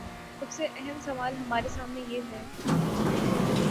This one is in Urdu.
سب سے اہم سوال ہمارے سامنے یہ ہے۔